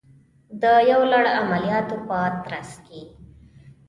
د یو لړ عملیاتو په ترڅ کې